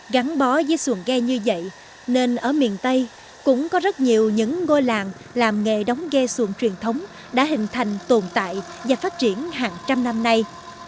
gắn bó với xuồng ghe như vậy nên ở miền tây cũng có rất nhiều những ngôi làng làm nghề đóng ghe xuồng truyền thống đã hình thành tồn tại và phát triển hàng trăm năm nay